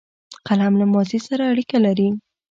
قلم له ماضي سره اړیکه لري